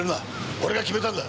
俺が決めたんだ！